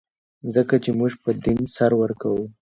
ځکه چې موږ په دین سر ورکوو.